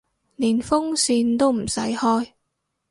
連風扇都唔使開